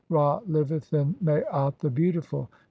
Ra liveth in Maat J the beautiful.